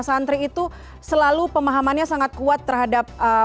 santri itu selalu pemahamannya sangat kuat terhadap